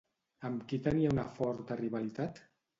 Amb qui tenia una forta rivalitat?